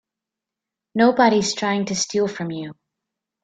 Nobody's trying to steal from you.